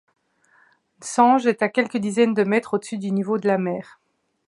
Nsanje est à quelques dizaines de mètres au-dessus du niveau de la mer.